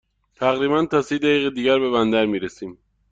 تقریباً تا سی دقیقه دیگر به بندر می رسیم.